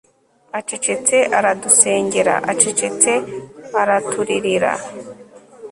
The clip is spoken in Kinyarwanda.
acecetse aradusengera, acecetse araturirira